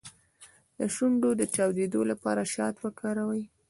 د شونډو د چاودیدو لپاره شات وکاروئ